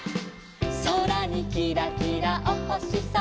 「そらにキラキラおほしさま」